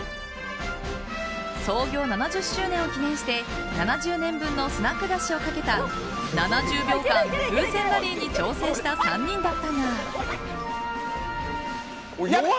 創業７０周年を記念して７０年分のスナック菓子をかけた７０秒間風船ラリーに挑戦した３人だったが。